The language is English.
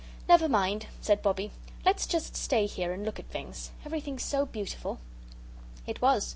"Never mind," said Bobbie. "Let's just stay here and look at things. Everything's so beautiful." It was.